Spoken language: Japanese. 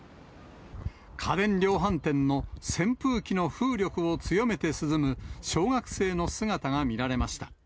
家電量販店の扇風機の風力を強めて涼む小学生の姿が見られました。